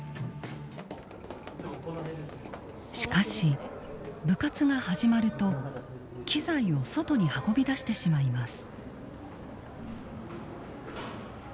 しかし部活が始まると機材を外に運び出してしまいます。